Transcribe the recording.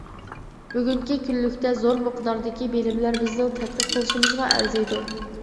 بۈگۈنكى كۈنلۈكتە، زور مىقداردىكى بىلىملەر بىزنىڭ تەتقىق قىلىشىمىزغا ئەرزىيدۇ.